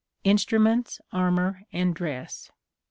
Instruments, armor, and dress.